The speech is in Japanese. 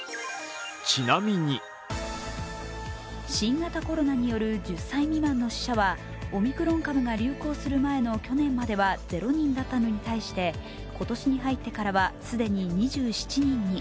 新型コロナによる１０歳未満の死者はオミクロン株が流行する前の去年までは０人だったのに対して今年に入ってからは既に２７人に。